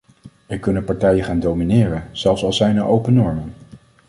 Er kunnen partijen gaan domineren, zelfs al zijn er open normen.